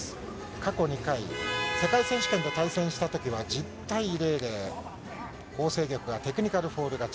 過去２回、世界選手権で対戦したときは、１０対０でホウ倩玉がテクニカルフォール勝ち。